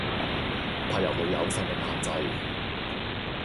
柏油路有壽命限制